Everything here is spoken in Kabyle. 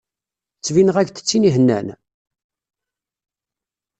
Ttbineɣ-ak-d d tin ihennan?